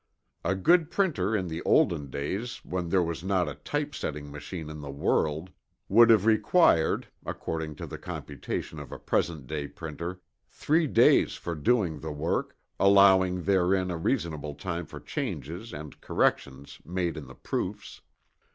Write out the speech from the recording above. A good printer in the olden days when there was not a typesetting machine in the world would have required (according to the computation of a present day printer) three days for doing the work, allowing therein a reasonable time for changes and corrections made in the proofs.